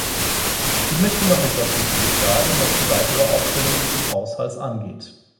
Ich möchte noch etwas Wichtiges sagen, was die weitere Aufstellung dieses Haushalts angeht.